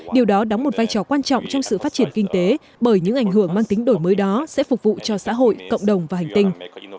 điều đó đóng một vai trò quan trọng trong sự phát triển kinh tế bởi những ảnh hưởng mang tính đổi mới đó sẽ phục vụ cho xã hội cộng đồng và hành tinh